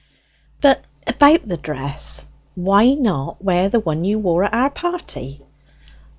"But about the dress. Why not wear the one you wore at our party?"